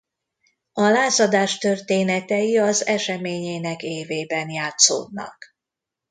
A Lázadás történetei az eseményének évében játszódnak.